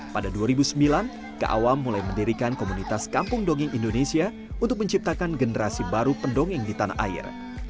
pada dua ribu sembilan keawam mulai mendirikan komunitas kampung dongeng indonesia untuk menciptakan generasi baru pendongeng di tanah air